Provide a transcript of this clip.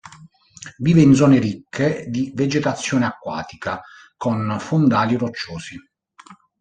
Vive in zone ricche di vegetazione acquatica, con fondali rocciosi.